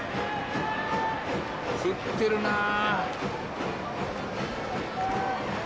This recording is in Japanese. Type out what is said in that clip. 降ってるなあ。